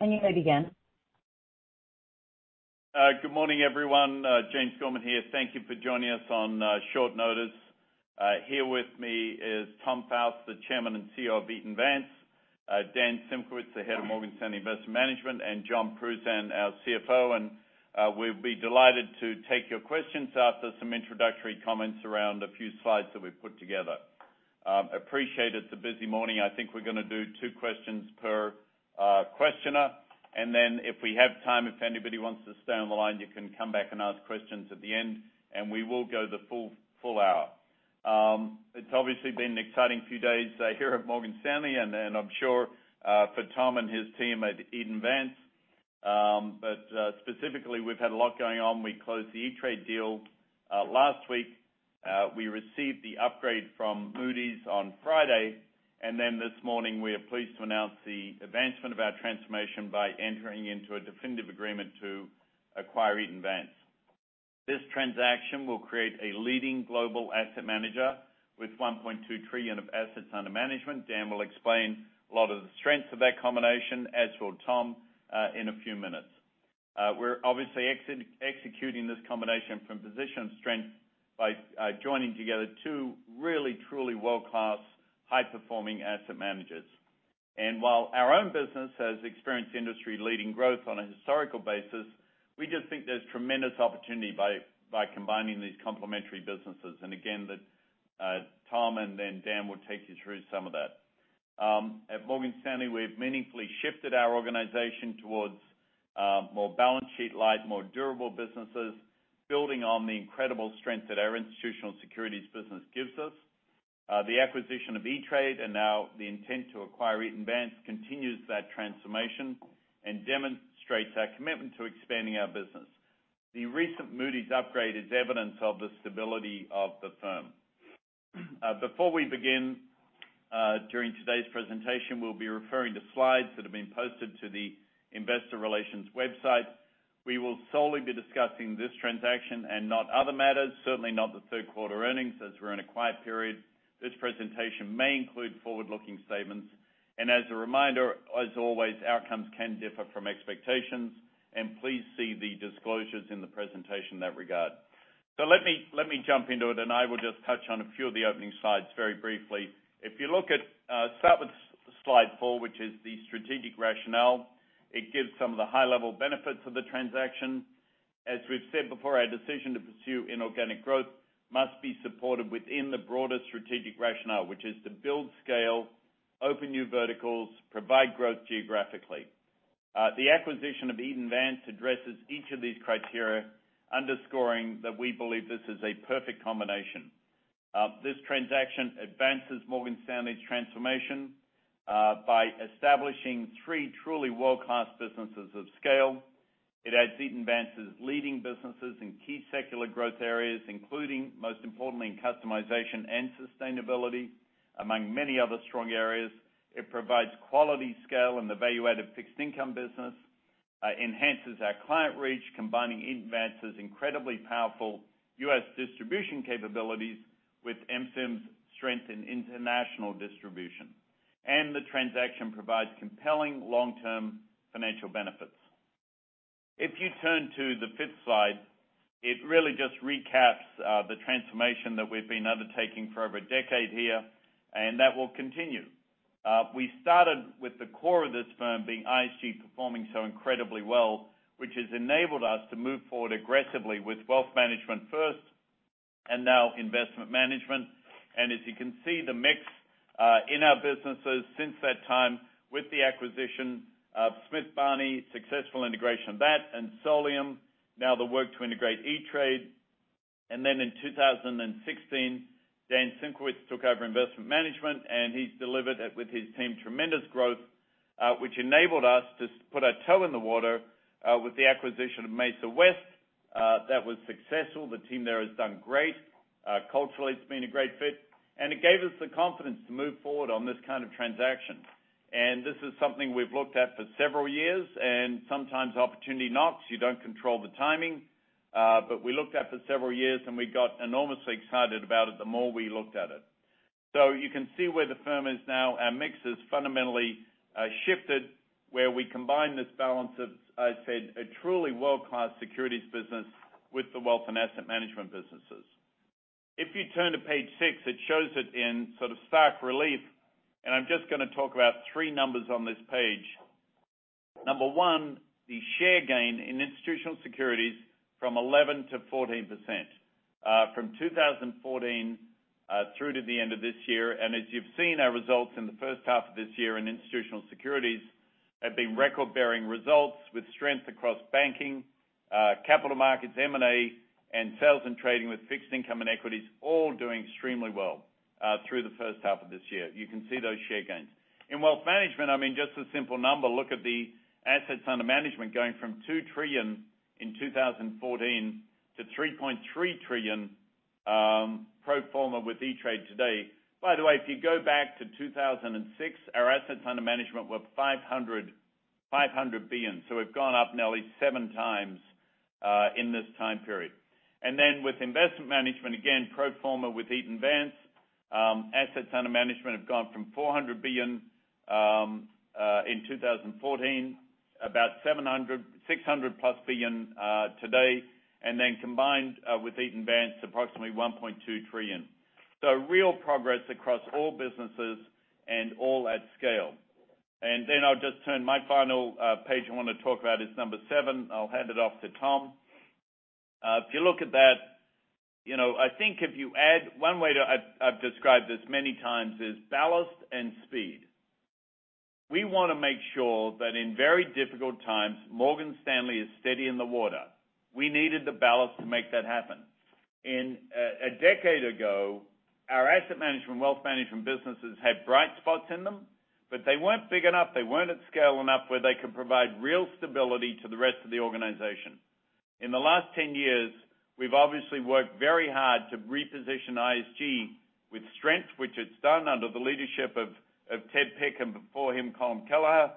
You may begin. Good morning everyone? James Gorman here. Thank you for joining us on short notice. Here with me is Tom Faust, the Chairman and Chief Executive Officer of Eaton Vance. Dan Simkowitz, the Head of Morgan Stanley Investment Management, and Jon Pruzan, our Chief Financial Officer. We'll be delighted to take your questions after some introductory comments around a few slides that we've put together. Appreciate it's a busy morning. I think we're going to do two questions per questioner, and then if we have time, if anybody wants to stay on the line, you can come back and ask questions at the end, and we will go the full hour. It's obviously been an exciting few days here at Morgan Stanley and I'm sure for Tom and his team at Eaton Vance. Specifically, we've had a lot going on. We closed the E*TRADE deal last week. We received the upgrade from Moody's on Friday, and then this morning, we are pleased to announce the advancement of our transformation by entering into a definitive agreement to acquire Eaton Vance. This transaction will create a leading global asset manager with $1.2 trillion of assets under management. Dan will explain a lot of the strengths of that combination, as will Tom, in a few minutes. We are obviously executing this combination from a position of strength by joining together two really truly world-class high-performing asset managers. While our own business has experienced industry-leading growth on a historical basis, we just think there's tremendous opportunity by combining these complementary businesses. Again, Tom and then Dan will take you through some of that. At Morgan Stanley, we've meaningfully shifted our organization towards more balance sheet light, more durable businesses, building on the incredible strength that our institutional securities business gives us. The acquisition of E*TRADE and now the intent to acquire Eaton Vance continues that transformation and demonstrates our commitment to expanding our business. The recent Moody's upgrade is evidence of the stability of the firm. Before we begin, during today's presentation, we'll be referring to slides that have been posted to the investor relations website. We will solely be discussing this transaction and not other matters, certainly not the third quarter earnings, as we're in a quiet period. This presentation may include forward-looking statements, and as a reminder, as always, outcomes can differ from expectations. Please see the disclosures in the presentation in that regard. Let me jump into it, and I will just touch on a few of the opening slides very briefly. Start with slide four, which is the strategic rationale. It gives some of the high-level benefits of the transaction. As we've said before, our decision to pursue inorganic growth must be supported within the broader strategic rationale, which is to build scale, open new verticals, provide growth geographically. The acquisition of Eaton Vance addresses each of these criteria, underscoring that we believe this is a perfect combination. This transaction advances Morgan Stanley's transformation by establishing three truly world-class businesses of scale. It adds Eaton Vance's leading businesses in key secular growth areas, including, most importantly, in customization and sustainability, among many other strong areas. It provides quality scale and the value-added fixed income business, enhances our client reach, combining advances incredibly powerful U.S. distribution capabilities with MSIM's strength in international distribution. The transaction provides compelling long-term financial benefits. If you turn to the fifth slide, it really just recaps the transformation that we've been undertaking for over a decade here, and that will continue. We started with the core of this firm being ISG performing so incredibly well, which has enabled us to move forward aggressively with wealth management first and now investment management. As you can see, the mix in our businesses since that time with the acquisition of Smith Barney, successful integration of that, and Solium, now the work to integrate E*TRADE. Then in 2016, Dan Simkowitz took over investment management, and he's delivered, with his team, tremendous growth, which enabled us to put our toe in the water with the acquisition of Mesa West. That was successful. The team there has done great. Culturally, it's been a great fit. It gave us the confidence to move forward on this kind of transaction. This is something we've looked at for several years, and sometimes opportunity knocks. You don't control the timing. We looked at it for several years, and we got enormously excited about it the more we looked at it. You can see where the firm is now. Our mix has fundamentally shifted, where we combine this balance of, I said, a truly world-class securities business with the wealth and asset management businesses. If you turn to page six, it shows it in sort of stark relief, and I'm just going to talk about three numbers on this page. Number one, the share gain in institutional securities from 11% to 14%, from 2014 through to the end of this year. As you've seen, our results in the first half of this year in institutional securities have been record-bearing results with strength across banking, capital markets, M&A, and sales and trading with fixed income and equities, all doing extremely well through the first half of this year. You can see those share gains. In wealth management, just a simple number. Look at the assets under management going from $2 trillion in 2014 to $3.3 trillion pro forma with E*TRADE today. By the way, if you go back to 2006, our assets under management were $500 billion. We've gone up nearly 7x in this time period. With Investment Management, again, pro forma with Eaton Vance, assets under management have gone from $400 billion in 2014, about $700 billion, $600+ billion today, and then combined with Eaton Vance, approximately $1.2 trillion. Real progress across all businesses and all at scale. I'll just turn my final page I want to talk about is number seven. I'll hand it off to Tom. If you look at that, I think if you add I've described this many times is ballast and speed. We want to make sure that in very difficult times, Morgan Stanley is steady in the water. We needed the ballast to make that happen. A decade ago, our asset management, wealth management businesses had bright spots in them, but they weren't big enough, they weren't at scale enough where they could provide real stability to the rest of the organization. In the last 10 years, we've obviously worked very hard to reposition ISG with strength, which it's done under the leadership of Ted Pick, and before him, Colm Kelleher.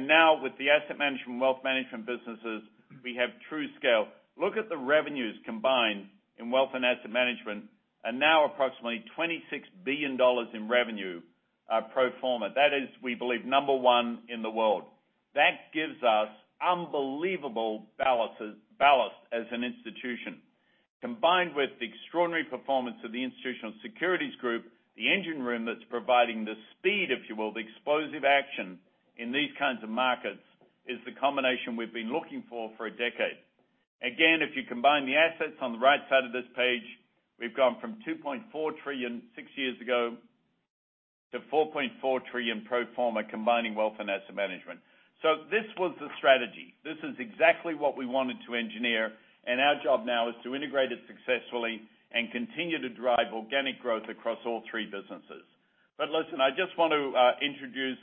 Now with the asset management, wealth management businesses, we have true scale. Look at the revenues combined in wealth and asset management are now approximately $26 billion in revenue pro forma. That is, we believe, number one in the world. That gives us unbelievable ballast as an institution. Combined with the extraordinary performance of the Institutional Securities Group, the engine room that's providing the speed, if you will, the explosive action in these kinds of markets is the combination we've been looking for a decade. If you combine the assets on the right side of this page, we've gone from $2.4 trillion six years ago to $4.4 trillion pro forma, combining wealth and asset management. This was the strategy. This is exactly what we wanted to engineer, and our job now is to integrate it successfully and continue to drive organic growth across all three businesses. Listen, I just want to introduce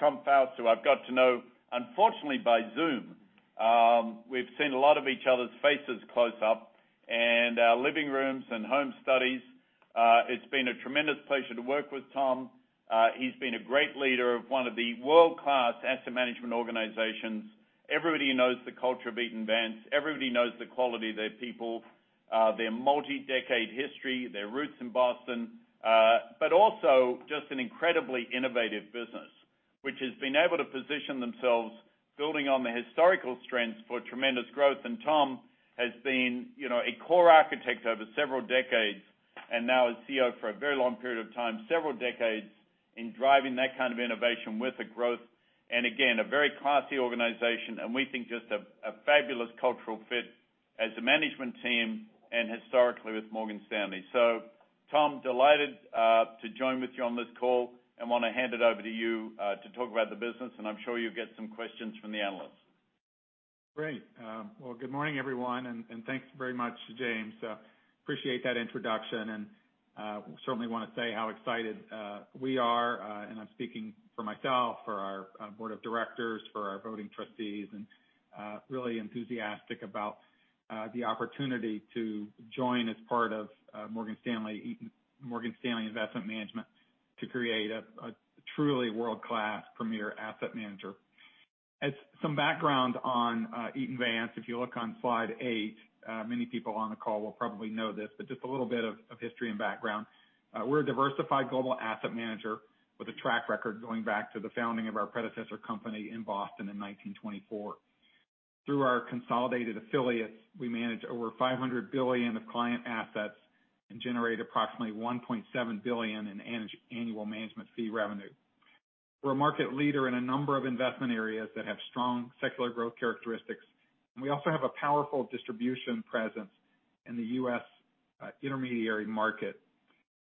Tom Faust, who I've got to know, unfortunately, by Zoom. We've seen a lot of each other's faces close up and our living rooms and home studies. It's been a tremendous pleasure to work with Tom. He's been a great leader of one of the world-class asset management organizations. Everybody knows the culture of Eaton Vance. Everybody knows the quality of their people, their multi-decade history, their roots in Boston. Also just an incredibly innovative business, which has been able to position themselves building on the historical strengths for tremendous growth. Tom has been a core architect over several decades and now as Chief Executive Officer for a very long period of time, several decades in driving that kind of innovation with the growth, and again, a very classy organization, and we think just a fabulous cultural fit as a management team and historically with Morgan Stanley. Tom, delighted to join with you on this call and want to hand it over to you to talk about the business, and I'm sure you'll get some questions from the analysts. Great. Well, good morning, everyone, and thanks very much to James. Appreciate that introduction and certainly want to say how excited we are. I'm speaking for myself, for our Board of Directors, for our voting trustees, and really enthusiastic about the opportunity to join as part of Morgan Stanley Investment Management to create a truly world-class premier asset manager. As some background on Eaton Vance, if you look on slide eight, many people on the call will probably know this, but just a little bit of history and background. We're a diversified global asset manager with a track record going back to the founding of our predecessor company in Boston in 1924. Through our consolidated affiliates, we manage over $500 billion of client assets and generate approximately $1.7 billion in annual management fee revenue. We're a market leader in a number of investment areas that have strong secular growth characteristics, and we also have a powerful distribution presence in the U.S. intermediary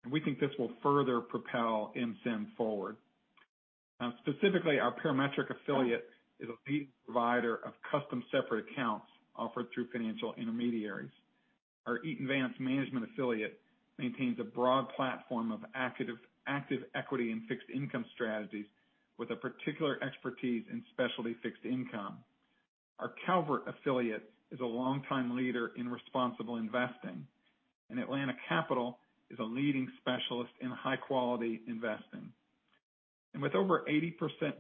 market. We think this will further propel MSIM forward. Specifically, our Parametric affiliate is a leading provider of custom separate accounts offered through financial intermediaries. Our Eaton Vance Management affiliate maintains a broad platform of active equity and fixed income strategies with a particular expertise in specialty fixed income. Our Calvert affiliate is a longtime leader in responsible investing, and Atlanta Capital is a leading specialist in high-quality investing. With over 80%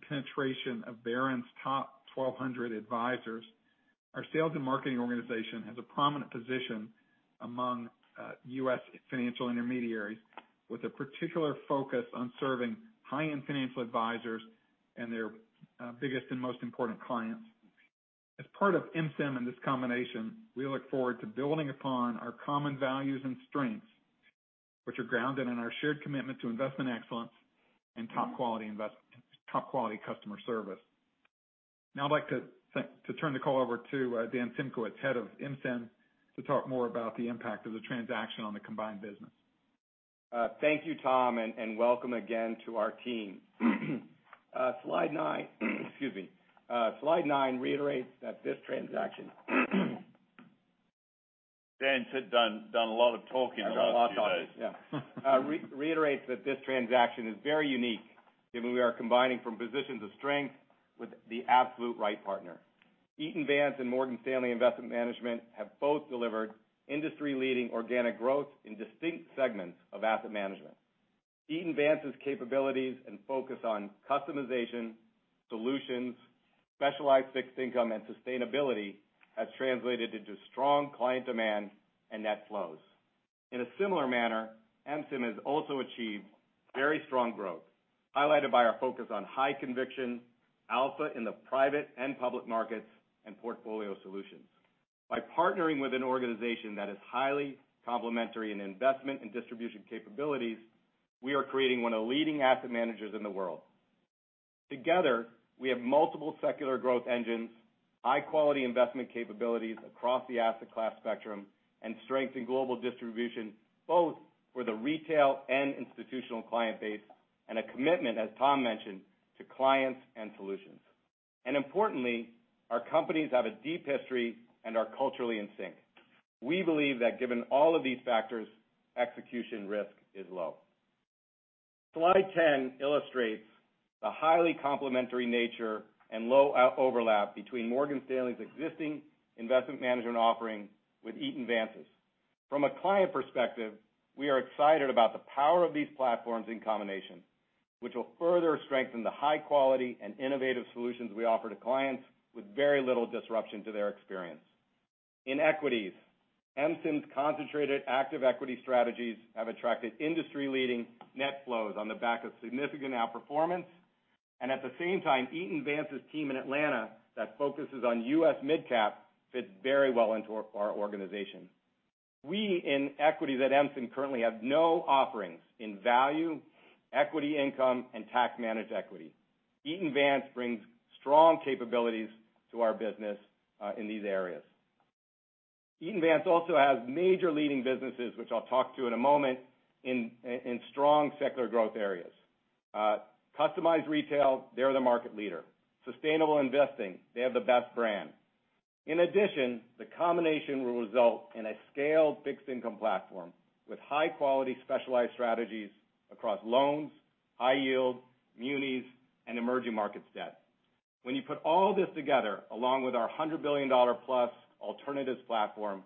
penetration of Barron's top 1,200 advisors, our sales and marketing organization has a prominent position among U.S. financial intermediaries, with a particular focus on serving high-end financial advisors and their biggest and most important clients. As part of MSIM and this combination, we look forward to building upon our common values and strengths, which are grounded in our shared commitment to investment excellence and top-quality customer service. I'd like to turn the call over to Dan Simkowitz, head of MSIM, to talk more about the impact of the transaction on the combined business. Thank you, Tom, and welcome again to our team. Slide nine. Excuse me. Slide nine reiterates that this transaction. Dan's had done a lot of talking the last few days. Done a lot of talking, yeah. Reiterates that this transaction is very unique, given we are combining from positions of strength with the absolute right partner. Eaton Vance and Morgan Stanley Investment Management have both delivered industry-leading organic growth in distinct segments of asset management. Eaton Vance's capabilities and focus on customization, solutions, specialized fixed income, and sustainability has translated into strong client demand and net flows. In a similar manner, MSIM has also achieved very strong growth, highlighted by our focus on high conviction, alpha in the private and public markets, and portfolio solutions. By partnering with an organization that is highly complementary in investment and distribution capabilities, we are creating one of the leading asset managers in the world. Together, we have multiple secular growth engines, high-quality investment capabilities across the asset class spectrum, and strength in global distribution, both for the retail and institutional client base, and a commitment, as Tom mentioned, to clients and solutions. Importantly, our companies have a deep history and are culturally in sync. We believe that given all of these factors, execution risk is low. Slide 10 illustrates the highly complementary nature and low overlap between Morgan Stanley's existing investment management offering with Eaton Vance's. From a client perspective, we are excited about the power of these platforms in combination, which will further strengthen the high quality and innovative solutions we offer to clients with very little disruption to their experience. In equities, MSIM's concentrated active equity strategies have attracted industry-leading net flows on the back of significant outperformance. At the same time, Eaton Vance's team in Atlanta that focuses on U.S. midcap fits very well into our organization. We, in equities at MSIM, currently have no offerings in value, equity income, and tax-managed equity. Eaton Vance brings strong capabilities to our business in these areas. Eaton Vance also has major leading businesses, which I'll talk to in a moment, in strong secular growth areas. Customized retail, they're the market leader. Sustainable investing, they have the best brand. The combination will result in a scaled fixed income platform with high-quality specialized strategies across loans, high yield, munis, and emerging market debt. When you put all this together, along with our $100 billion plus alternatives platform,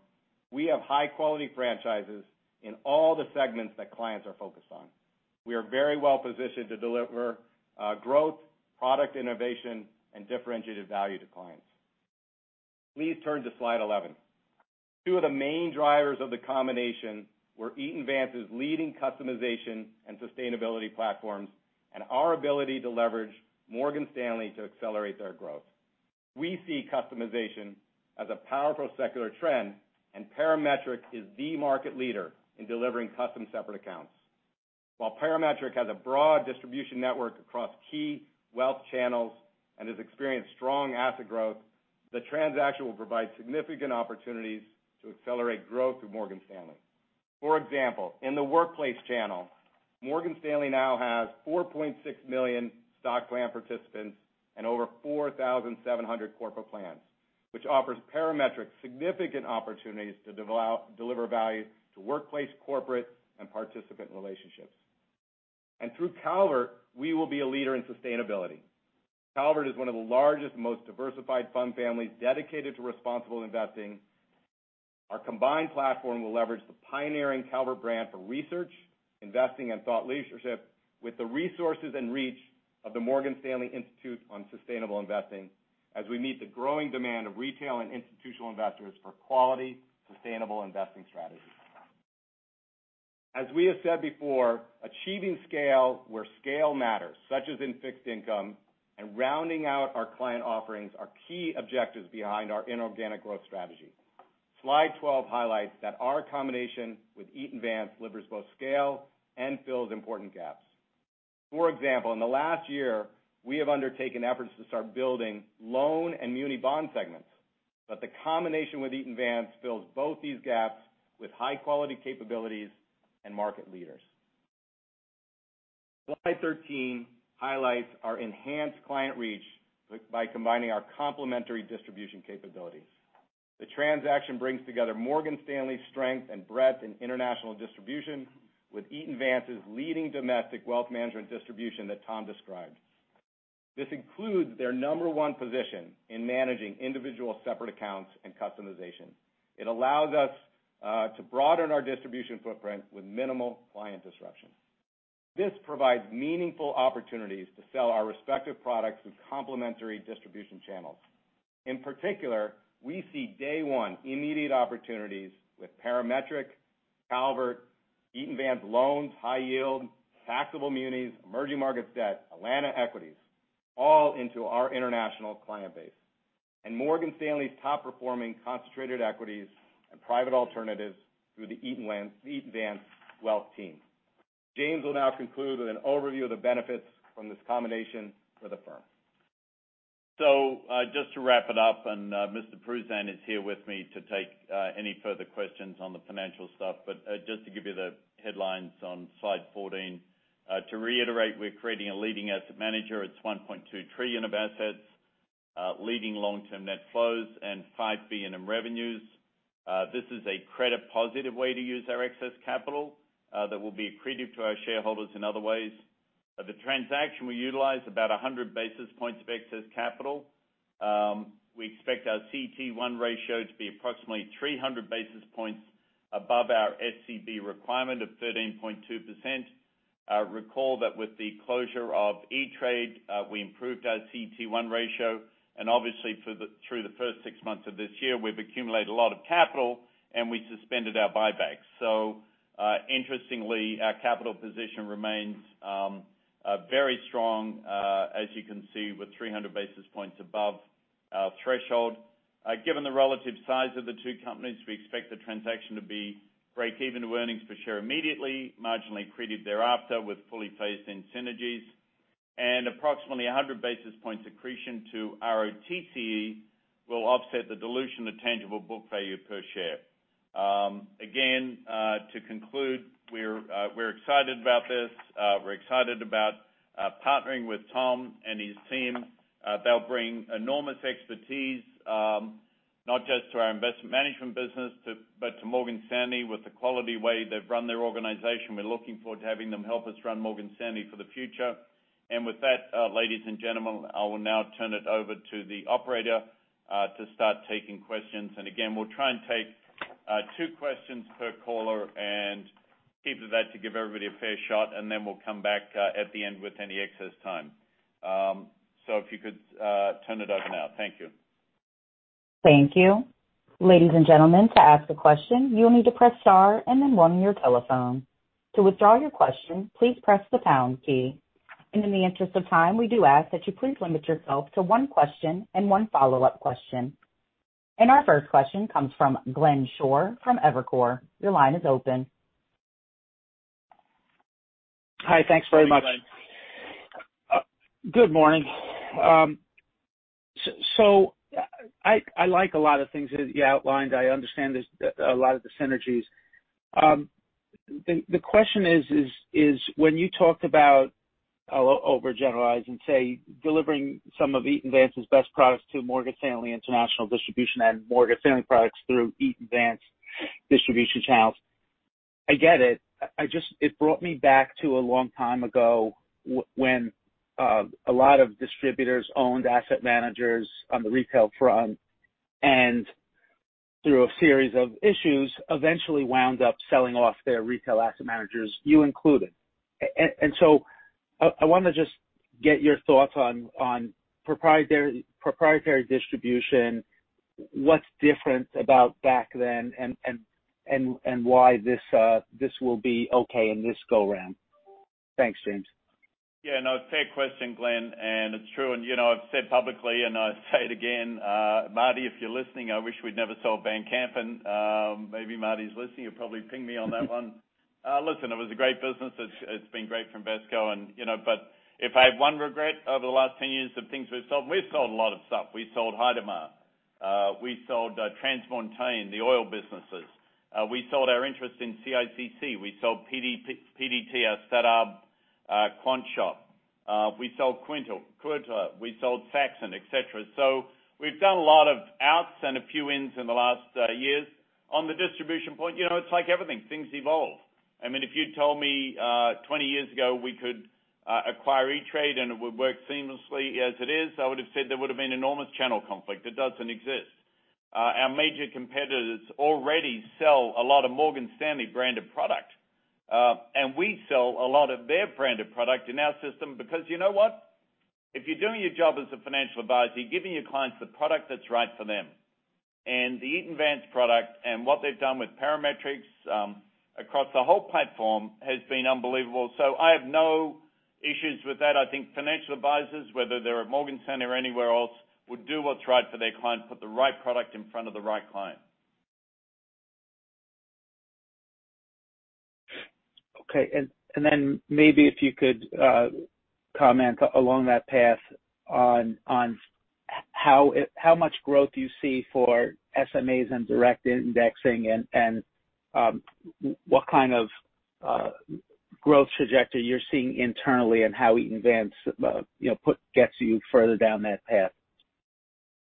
we have high-quality franchises in all the segments that clients are focused on. We are very well positioned to deliver growth, product innovation, and differentiated value to clients. Please turn to slide 11. Two of the main drivers of the combination were Eaton Vance's leading customization and sustainability platforms and our ability to leverage Morgan Stanley to accelerate their growth. We see customization as a powerful secular trend. Parametric is the market leader in delivering custom separate accounts. While Parametric has a broad distribution network across key wealth channels and has experienced strong asset growth, the transaction will provide significant opportunities to accelerate growth through Morgan Stanley. For example, in the workplace channel, Morgan Stanley now has 4.6 million stock plan participants and over 4,700 corporate plans, which offers Parametric significant opportunities to deliver value to workplace, corporate, and participant relationships. Through Calvert, we will be a leader in sustainability. Calvert is one of the largest, most diversified fund families dedicated to responsible investing. Our combined platform will leverage the pioneering Calvert brand for research, investing, and thought leadership with the resources and reach of the Morgan Stanley Institute for Sustainable Investing as we meet the growing demand of retail and institutional investors for quality, sustainable investing strategies. As we have said before, achieving scale where scale matters, such as in fixed income, and rounding out our client offerings are key objectives behind our inorganic growth strategy. Slide 12 highlights that our combination with Eaton Vance delivers both scale and fills important gaps. For example, in the last year, we have undertaken efforts to start building loan and muni bond segments, but the combination with Eaton Vance fills both these gaps with high-quality capabilities and market leaders. Slide 13 highlights our enhanced client reach by combining our complementary distribution capabilities. The transaction brings together Morgan Stanley's strength and breadth in international distribution with Eaton Vance's leading domestic wealth management distribution that Tom described. This includes their number one position in managing individual separate accounts and customization. It allows us to broaden our distribution footprint with minimal client disruption. This provides meaningful opportunities to sell our respective products through complementary distribution channels. In particular, we see day one immediate opportunities with Parametric, Calvert, Eaton Vance loans, high yield, taxable munis, emerging market debt, Atlanta equities, all into our international client base, Morgan Stanley's top-performing concentrated equities and private alternatives through the Eaton Vance wealth team. James will now conclude with an overview of the benefits from this combination for the firm. Just to wrap it up, and Mr. Pruzan is here with me to take any further questions on the financial stuff. Just to give you the headlines on slide 14. To reiterate, we're creating a leading asset manager. It's $1.2 trillion of assets, leading long-term net flows, and $5 billion in revenues. This is a credit positive way to use our excess capital that will be accretive to our shareholders in other ways. Of the transaction, we utilize about 100 basis points of excess capital. We expect our CET1 ratio to be approximately 300 basis points above our SCB requirement of 13.2%. Recall that with the closure of E*TRADE, we improved our CET1 ratio, and obviously through the first six months of this year, we've accumulated a lot of capital, and we suspended our buybacks. Interestingly, our capital position remains very strong, as you can see, with 300 basis points above our threshold. Given the relative size of the two companies, we expect the transaction to be breakeven to earnings per share immediately, marginally accretive thereafter with fully phased-in synergies, and approximately 100 basis point accretion to ROTCE will offset the dilution of tangible book value per share. To conclude, we're excited about this. We're excited about partnering with Tom and his team. They'll bring enormous expertise, not just to our investment management business, but to Morgan Stanley. With the quality way they've run their organization, we're looking forward to having them help us run Morgan Stanley for the future. With that, ladies and gentlemen, I will now turn it over to the operator to start taking questions. Again, we'll try and take two questions per caller and keep it at that to give everybody a fair shot, and then we'll come back at the end with any excess time. If you could turn it over now. Thank you. Thank you. Ladies and gentlemen, to ask a question, you'll need to press star and then one on your telephone. To withdraw your question, please press the pound key. In the interest of time, we do ask that you please limit yourself to one question and one follow-up question. Our first question comes from Glenn Schorr from Evercore, your line is open. Hi? Thanks very much. Hi, Glenn. Good morning? I like a lot of things that you outlined. I understand a lot of the synergies. The question is when you talked about, I'll overgeneralize and say delivering some of Eaton Vance's best products to Morgan Stanley international distribution and Morgan Stanley products through Eaton Vance distribution channels. I get it. It brought me back to a long time ago when a lot of distributors owned asset managers on the retail front, and through a series of issues, eventually wound up selling off their retail asset managers, you included. I want to just get your thoughts on proprietary distribution, what's different about back then and why this will be okay in this go-round. Thanks, James. Yeah, no, fair question, Glenn. It's true. I've said publicly, and I say it again, Marty, if you're listening, I wish we'd never sold Van Kampen. Maybe Marty's listening. He'll probably ping me on that one. Listen, it was a great business. It's been great for Invesco, but if I have one regret over the last 10 years of things we've sold, we've sold a lot of stuff. We sold Heidmar. We sold TransMontaigne, the oil businesses. We sold our interest in CICC. We sold PDT, our startup quant shop. We sold Quilter. We sold Saxon, et cetera. We've done a lot of outs and a few ins in the last years. On the distribution point, it's like everything, things evolve. If you told me, 20 years ago, we could acquire E*TRADE and it would work seamlessly as it is, I would have said there would've been enormous channel conflict that doesn't exist. Our major competitors already sell a lot of Morgan Stanley branded product. We sell a lot of their branded product in our system because you know what? If you're doing your job as a Financial Advisor, you're giving your clients the product that's right for them. The Eaton Vance product and what they've done with Parametric, across the whole platform has been unbelievable. I have no issues with that. I think financial advisors, whether they're at Morgan Stanley or anywhere else, would do what's right for their client, put the right product in front of the right client. Okay. Then maybe if you could comment along that path on how much growth do you see for SMAs and direct indexing and what kind of growth trajectory you're seeing internally and how Eaton Vance gets you further down that path?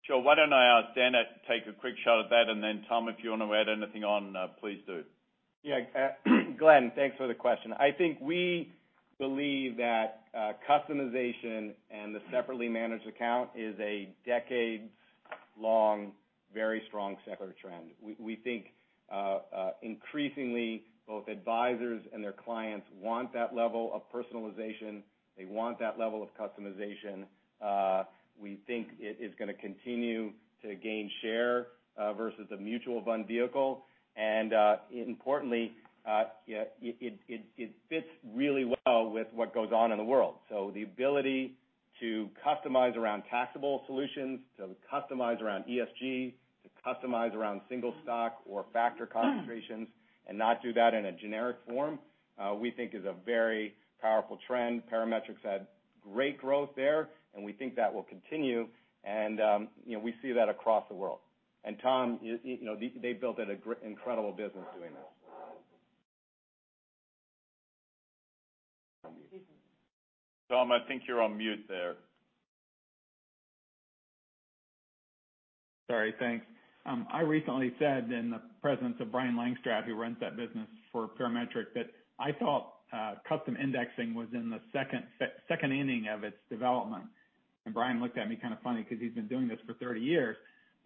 Sure. Why don't I ask Dan to take a quick shot at that? Then Tom, if you want to add anything on, please do. Yeah, Glenn, thanks for the question. I think we believe that customization and the Separately Managed Account is a decades-long, very strong secular trend. We think increasingly both advisors and their clients want that level of personalization. They want that level of customization. We think it is going to continue to gain share versus a mutual fund vehicle. Importantly, it fits really well with what goes on in the world. The ability to customize around taxable solutions, to customize around ESG, to customize around single stock or factor concentrations and not do that in a generic form, we think is a very powerful trend. Parametric had great growth there, and we think that will continue. We see that across the world. Tom, they built an incredible business doing this. Tom, I think you're on mute there. Sorry. Thanks. I recently said in the presence of Brian Langstraat, who runs that business for Parametric, that I thought custom indexing was in the second inning of its development. Brian looked at me kind of funny because he's been doing this for 30 years.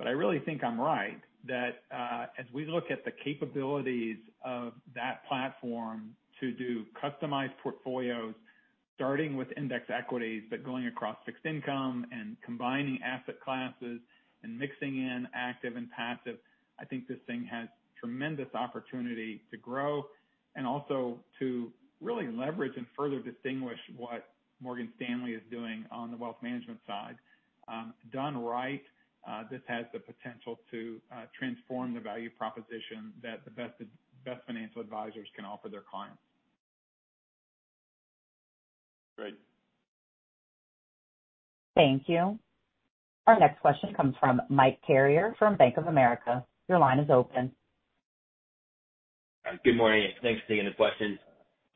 I really think I'm right, that as we look at the capabilities of that platform to do customized portfolios, starting with index equities, but going across fixed income and combining asset classes and mixing in active and passive, I think this thing has tremendous opportunity to grow and also to really leverage and further distinguish what Morgan Stanley is doing on the wealth management side. Done right, this has the potential to transform the value proposition that the best financial advisors can offer their clients. Great. Thank you. Our next question comes from Mike Carrier from Bank of America, your line is open. Good morning? Thanks for taking the question.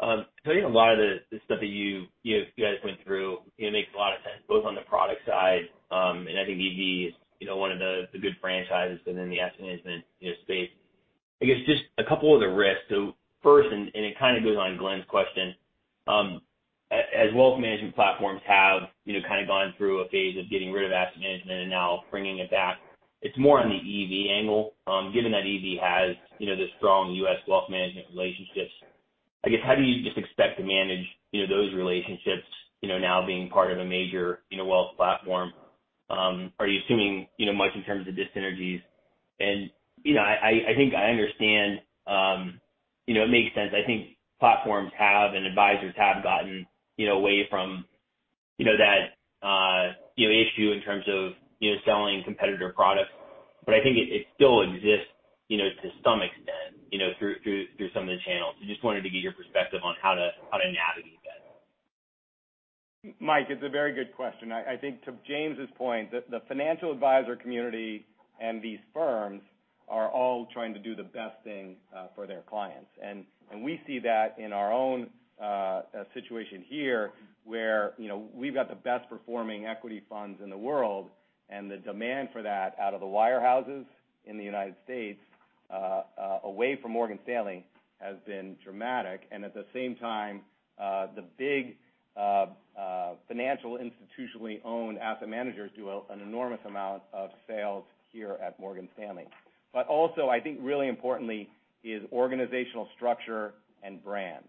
Tom, a lot of the stuff that you guys went through, it makes a lot of sense, both on the product side, and I think EV is one of the good franchises within the asset management space. I guess just a couple other risks. First, and it kind of goes on Glenn's question, as wealth management platforms have gone through a phase of getting rid of asset management and now bringing it back, it's more on the EV angle. Given that EV has the strong U.S. wealth management relationships, I guess how do you just expect to manage those relationships now being part of a major wealth platform? Are you assuming much in terms of dyssynergies? I think I understand, it makes sense. I think platforms have, and advisors have gotten away from that issue in terms of selling competitor products. I think it still exists to some extent through some of the channels. Just wanted to get your perspective on how to navigate that. Mike, it's a very good question. I think to James's point, the financial advisor community and these firms are all trying to do the best thing for their clients. We see that in our own situation here, where we've got the best performing equity funds in the world, the demand for that out of the wirehouses in the U.S., away from Morgan Stanley, has been dramatic. At the same time, the big financial institutionally owned asset managers do an enormous amount of sales here at Morgan Stanley. Also, I think really importantly is organizational structure and brands.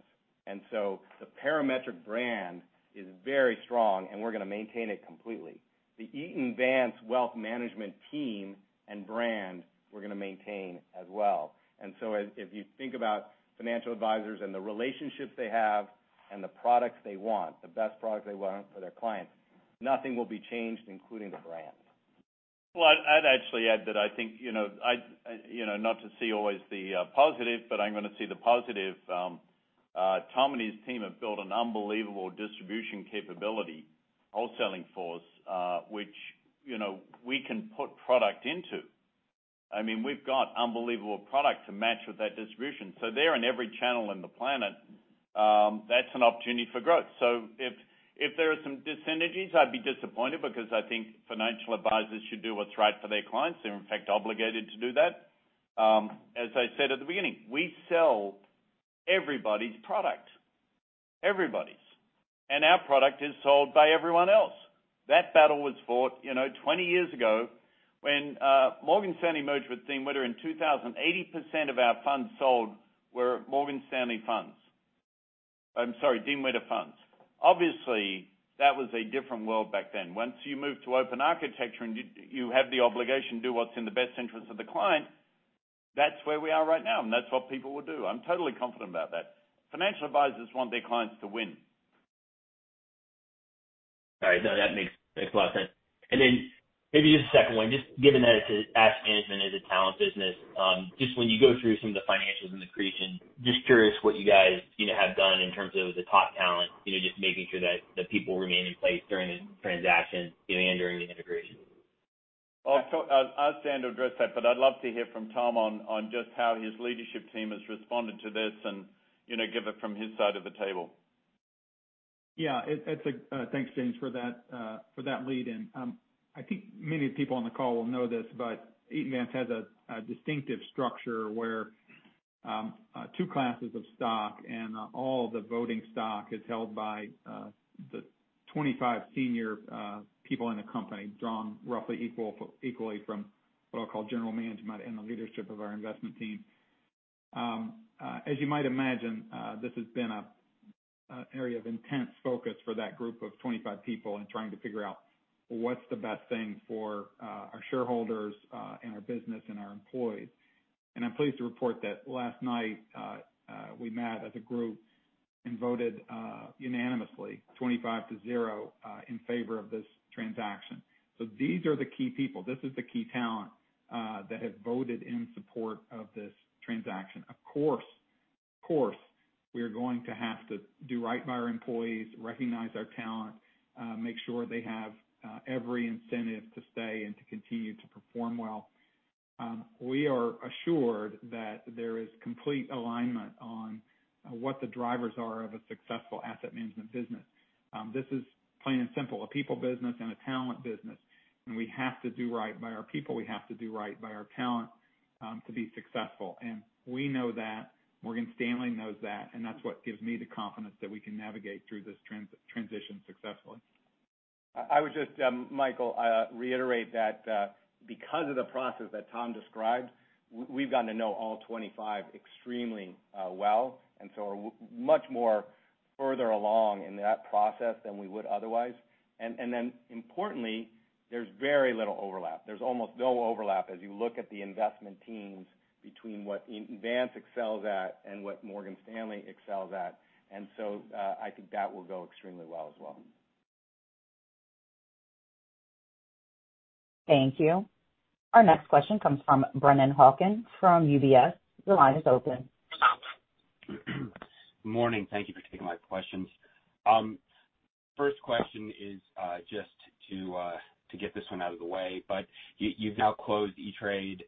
The Parametric brand is very strong, and we're going to maintain it completely. The Eaton Vance wealth management team and brand, we're going to maintain as well. If you think about financial advisors and the relationships they have and the products they want, the best products they want for their clients, nothing will be changed, including the brands. I'd actually add that I think, not to see always the positive, but I'm going to see the positive. Tom and his team have built an unbelievable distribution capability, wholesaling force, which we can put product into. We've got unbelievable product to match with that distribution. They're in every channel in the planet. That's an opportunity for growth. If there are some dyssynergies, I'd be disappointed because I think financial advisors should do what's right for their clients. They're, in fact, obligated to do that. As I said at the beginning, we sell everybody's product. Everybody's. Our product is sold by everyone else. That battle was fought 20 years ago when Morgan Stanley merged with Dean Witter in 2000. 80% of our funds sold were Morgan Stanley funds. I'm sorry, Dean Witter funds. Obviously, that was a different world back then. Once you move to open architecture and you have the obligation to do what's in the best interest of the client, that's where we are right now, and that's what people will do. I'm totally confident about that. Financial advisors want their clients to win. All right. No, that makes a lot of sense. Maybe just a second one, just given that asset management is a talent business, just when you go through some of the financials and the accretion, just curious what you guys have done in terms of the top talent, just making sure that the people remain in place during the transaction and during the integration. I'll stand to address that, but I'd love to hear from Tom on just how his leadership team has responded to this and give it from his side of the table. Thanks, James, for that lead in. I think many people on the call will know this, but Eaton Vance has a distinctive structure where two classes of stock, and all the voting stock is held by the 25 senior people in the company, drawn roughly equally from what I'll call General Management and the leadership of our investment team. As you might imagine, this has been an area of intense focus for that group of 25 people in trying to figure out what's the best thing for our shareholders and our business and our employees. I'm pleased to report that last night, we met as a group and voted unanimously, 25 to 0, in favor of this transaction. These are the key people. This is the key talent that have voted in support of this transaction. Of course we are going to have to do right by our employees, recognize our talent, make sure they have every incentive to stay and to continue to perform well. We are assured that there is complete alignment on what the drivers are of a successful asset management business. This is plain and simple, a people business and a talent business, and we have to do right by our people, we have to do right by our talent, to be successful. We know that, Morgan Stanley knows that, and that's what gives me the confidence that we can navigate through this transition successfully. I would just, Michael, reiterate that because of the process that Tom described, we've gotten to know all 25 extremely well, are much more further along in that process than we would otherwise. Importantly, there's very little overlap. There's almost no overlap as you look at the investment teams between what Eaton Vance excels at and what Morgan Stanley excels at. I think that will go extremely well as well. Thank you. Our next question comes from Brennan Hawken from UBS, your line is open. Morning? Thank you for taking my questions. First question is just to get this one out of the way. You've now closed E*TRADE,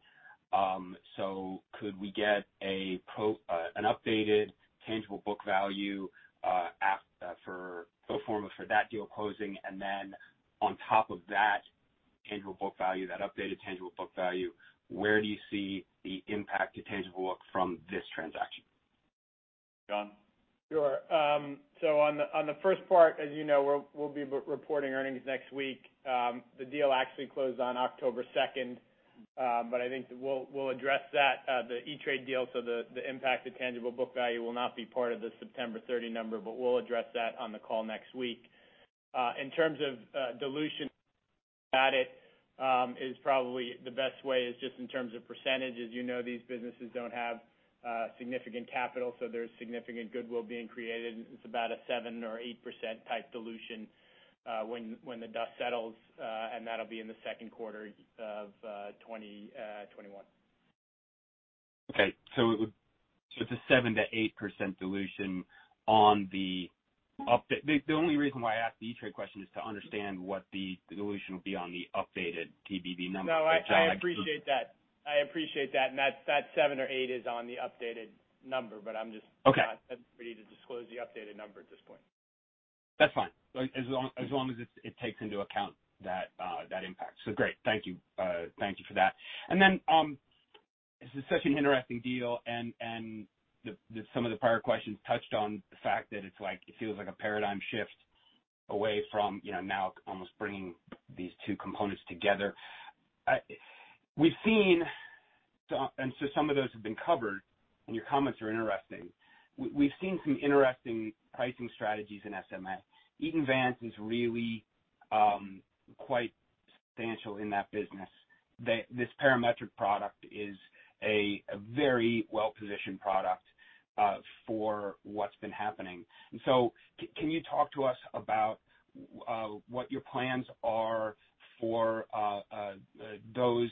so could we get an updated tangible book value for pro forma for that deal closing, and then on top of that tangible book value, that updated tangible book value, where do you see the impact to tangible book from this transaction? Jon? Sure. On the first part, as you know, we'll be reporting earnings next week. The deal actually closed on October 2. I think we'll address that, the E*TRADE deal, the impact to tangible book value will not be part of the September 30 number, we'll address that on the call next week. In terms of dilution, it is probably the best way is just in terms of %. You know, these businesses don't have significant capital, there's significant goodwill being created, it's about a 7% or 8% type dilution when the dust settles, that'll be in the second quarter of 2021. Okay. It's a 7%-8% dilution on the up. The only reason why I ask the E*TRADE question is to understand what the dilution will be on the updated TBV number. No, I appreciate that. I appreciate that. That 7% or 8% is on the updated number, not ready to disclose the updated number at this point. That's fine. As long as it takes into account that impact. Great. Thank you. Thank you for that. Then, this is such an interesting deal, and some of the prior questions touched on the fact that it feels like a paradigm shift away from now almost bringing these two components together. Some of those have been covered, and your comments are interesting. We've seen some interesting pricing strategies in SMA. Eaton Vance is really quite substantial in that business. This Parametric product is a very well-positioned product for what's been happening. Can you talk to us about what your plans are for those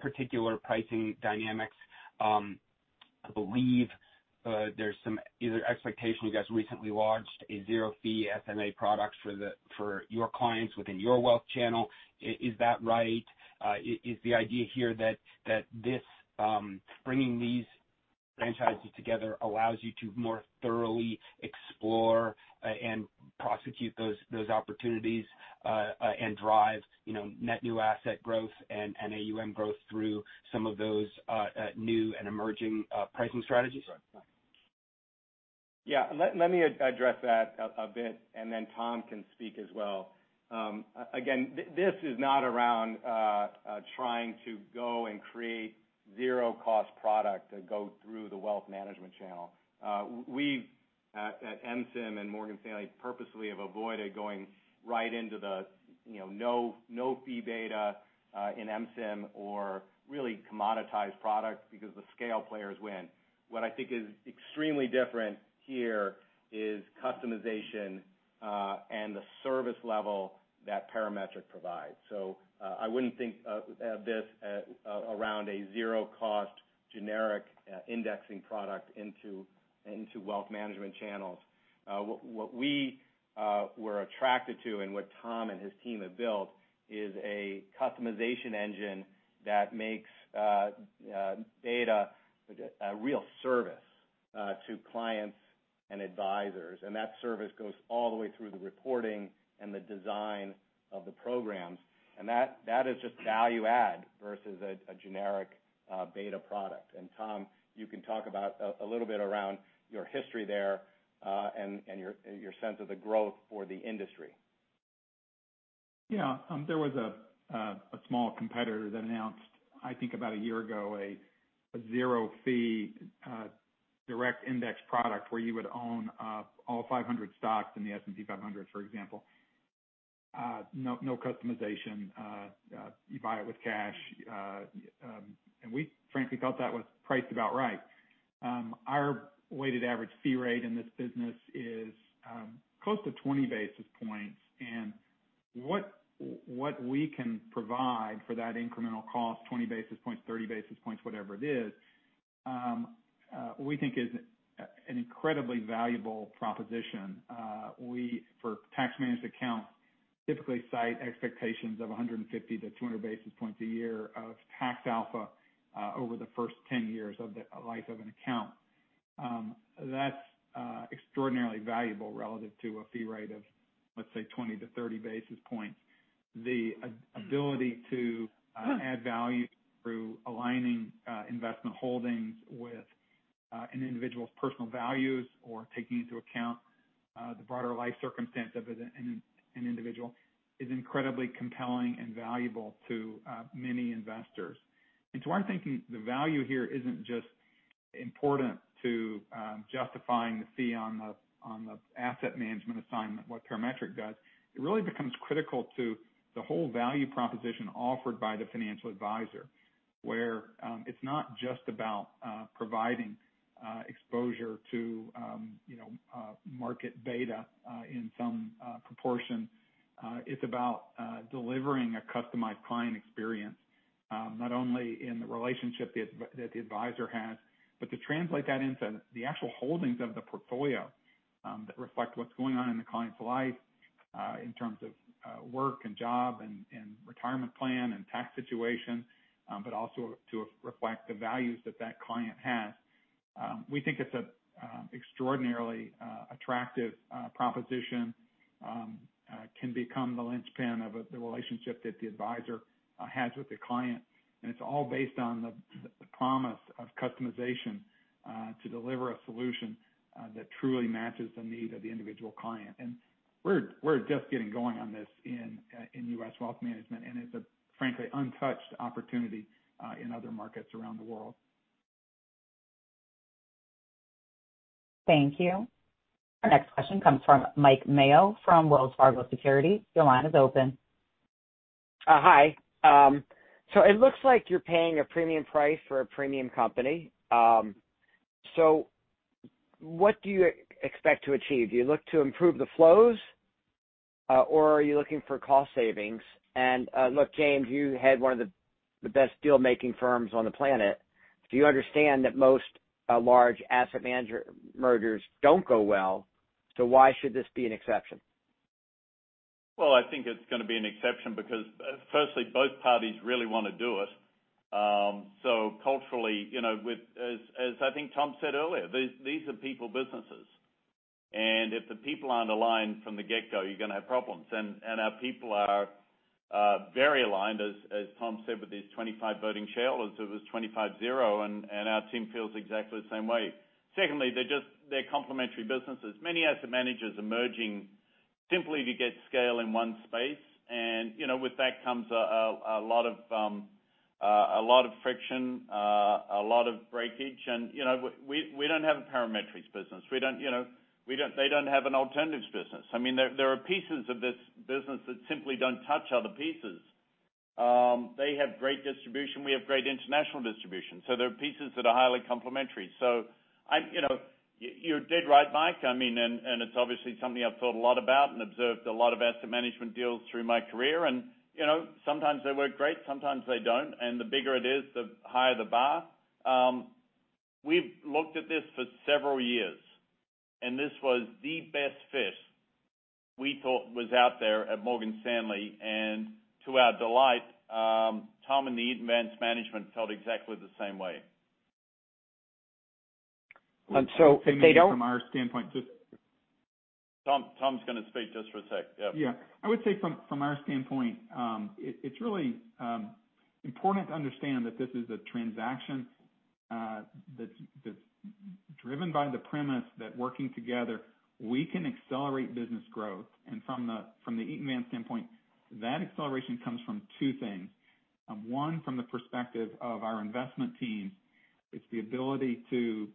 particular pricing dynamics? I believe there's some either expectation, you guys recently launched a zero-fee SMA product for your clients within your wealth channel. Is that right? Is the idea here that bringing these franchises together allows you to more thoroughly explore and prosecute those opportunities, and drive net new asset growth and AUM growth through some of those new and emerging pricing strategies? Yeah. Let me address that a bit, and then Tom can speak as well. Again, this is not around trying to go and create zero cost product that go through the wealth management channel. We, at MSIM and Morgan Stanley, purposely have avoided going right into the no-fee beta in MSIM or really commoditized products because the scale players win. What I think is extremely different here is customization and the service level that Parametric provides. I wouldn't think of this around a zero cost, generic indexing product into wealth management channels. What we were attracted to and what Tom and his team have built is a customization engine that makes data a real service to clients and advisors. That service goes all the way through the reporting and the design of the programs. That is just value add versus a generic beta product. Tom, you can talk about a little bit around your history there, and your sense of the growth for the industry. Yeah. There was a small competitor that announced, I think about a year ago, a zero-fee direct index product where you would own all 500 stocks in the S&P 500, for example. No customization. You buy it with cash. We frankly felt that was priced about right. Our weighted average fee rate in this business is close to 20 basis points. What we can provide for that incremental cost, 20 basis points, 30 basis points, whatever it is, we think is an incredibly valuable proposition. For tax managed accounts. Typically cite expectations of 150 basis points to 200 basis points a year of tax alpha over the first 10 years of the life of an account. That's extraordinarily valuable relative to a fee rate of, let's say, 20 basis points to 30 basis points. The ability to add value through aligning investment holdings with an individual's personal values or taking into account the broader life circumstance of an individual is incredibly compelling and valuable to many investors. Our thinking, the value here isn't just important to justifying the fee on the asset management assignment, what Parametric does. It really becomes critical to the whole value proposition offered by the financial advisor, where it's not just about providing exposure to market beta in some proportion. It's about delivering a customized client experience, not only in the relationship that the advisor has, but to translate that into the actual holdings of the portfolio that reflect what's going on in the client's life, in terms of work and job and retirement plan and tax situation, but also to reflect the values that that client has. We think it's an extraordinarily attractive proposition, can become the linchpin of the relationship that the advisor has with the client. It's all based on the promise of customization to deliver a solution that truly matches the need of the individual client. We're just getting going on this in U.S. Wealth Management, and it's a frankly untouched opportunity in other markets around the world. Thank you. Our next question comes from Mike Mayo from Wells Fargo Securities, your line is open. Hi? It looks like you're paying a premium price for a premium company. What do you expect to achieve? Do you look to improve the flows? Are you looking for cost savings? Look, James, you had one of the best deal-making firms on the planet. Do you understand that most large asset manager mergers don't go well? Why should this be an exception? Well, I think it's going to be an exception because firstly, both parties really want to do it. Culturally, as I think Tom said earlier, these are people businesses. If the people aren't aligned from the get-go, you're going to have problems. Our people are very aligned, as Tom said, with his 25 voting shareholders, it was 25-0, and our team feels exactly the same way. Secondly, they're complementary businesses. Many asset managers are merging simply to get scale in one space. With that comes a lot of friction, a lot of breakage, and we don't have a Parametric business. They don't have an alternatives business. There are pieces of this business that simply don't touch other pieces. They have great distribution. We have great international distribution. There are pieces that are highly complementary. You're dead right, Mike. It's obviously something I've thought a lot about and observed a lot of asset management deals through my career. Sometimes they work great, sometimes they don't. The bigger it is, the higher the bar. We've looked at this for several years, and this was the best fit we thought was out there at Morgan Stanley. To our delight, Tom and the Eaton Vance management felt exactly the same way. And so they don't- From our standpoint just- Tom's going to speak just for a sec. Yep. I would say from our standpoint, it's really important to understand that this is a transaction that's driven by the premise that working together, we can accelerate business growth. From the Eaton Vance standpoint, that acceleration comes from two things. One, from the perspective of our investment team, it's the ability to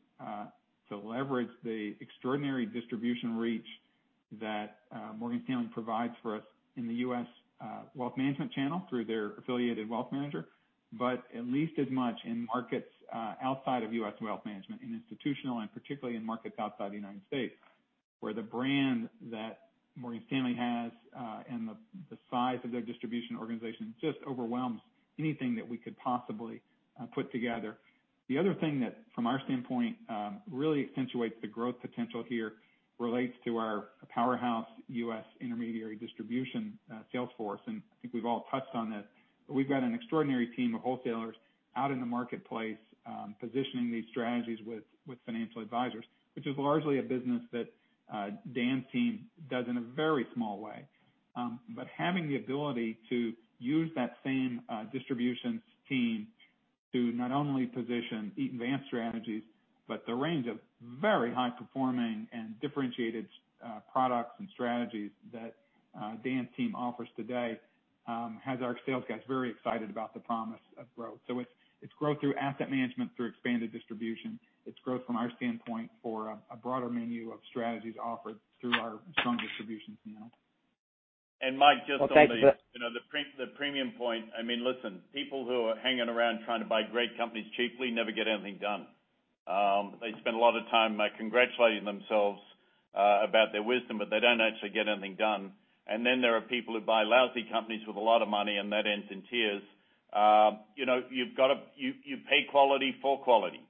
leverage the extraordinary distribution reach that Morgan Stanley provides for us in the U.S. Wealth Management channel through their affiliated wealth manager, but at least as much in markets outside of U.S. Wealth Management, in institutional and particularly in markets outside the United States, where the brand that Morgan Stanley has and the size of their distribution organization just overwhelms anything that we could possibly put together. The other thing that, from our standpoint, really accentuates the growth potential here relates to our powerhouse U.S. intermediary distribution sales force. I think we've all touched on this. We've got an extraordinary team of wholesalers out in the marketplace positioning these strategies with financial advisors, which is largely a business that Dan's team does in a very small way. Having the ability to use that same distributions team to not only position Eaton Vance strategies, but the range of very high-performing and differentiated products and strategies that Dan's team offers today, has our sales guys very excited about the promise of growth. It's growth through asset management through expanded distribution. It's growth from our standpoint for a broader menu of strategies offered through our strong distributions now. Mike, the premium point. Listen, people who are hanging around trying to buy great companies cheaply never get anything done. They spend a lot of time congratulating themselves about their wisdom, but they don't actually get anything done. Then there are people who buy lousy companies with a lot of money, and that ends in tears. You pay quality for quality.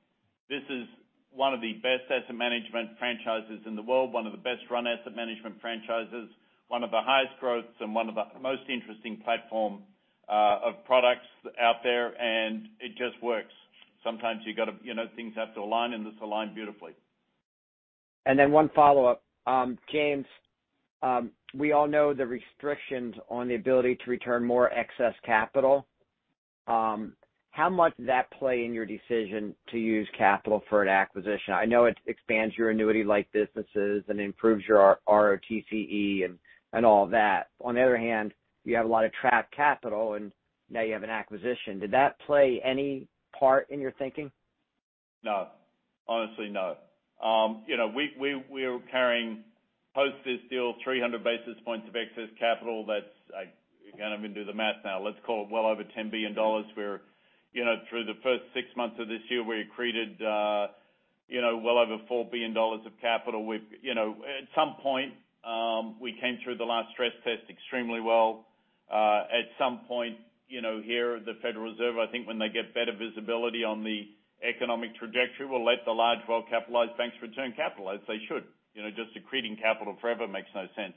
This is one of the best asset management franchises in the world, one of the best run asset management franchises, one of the highest growths, and one of the most interesting platform of products out there, and it just works. Sometimes things have to align, and this aligned beautifully. One follow-up. James, we all know the restrictions on the ability to return more excess capital. How much does that play in your decision to use capital for an acquisition? I know it expands your annuity-like businesses and improves your ROTCE and all that. On the other hand, you have a lot of trapped capital and now you have an acquisition. Did that play any part in your thinking? No. Honestly, no. We're carrying, post this deal, 300 basis points of excess capital. You're going to have me do the math now. Let's call it well over $10 billion. Through the first six months of this year, we accreted well over $4 billion of capital. At some point, we came through the last stress test extremely well. At some point, here, the Federal Reserve, I think when they get better visibility on the economic trajectory, will let the large, well-capitalized banks return capital, as they should. Just accreting capital forever makes no sense.